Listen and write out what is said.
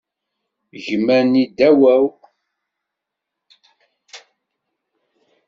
Gma-nni ddaw-aw.